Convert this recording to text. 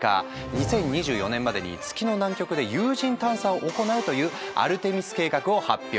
２０２４年までに月の南極で有人探査を行うというアルテミス計画を発表。